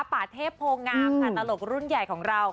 ป่าเทพโพงามค่ะตลกรุ่นใหญ่ของเรา